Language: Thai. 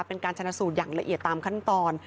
เป็นการชนะสูตรอย่างละเอียดตามขั้นตอน